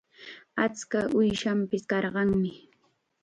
Achka uushanpis karqanmi.